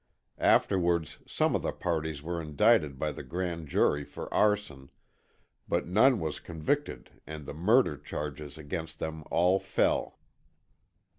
Afterwards some of the parties were indicted by the grand jury for arson, but none was convicted and the murder charges against them all fell.